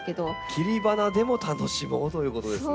切り花でも楽しもうということですね。